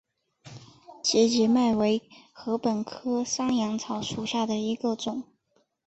节节麦为禾本科山羊草属下的一个种。